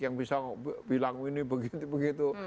yang bisa bilang ini begitu begitu